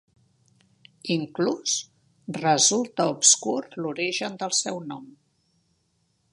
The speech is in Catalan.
Inclús resulta obscur l'origen del seu nom.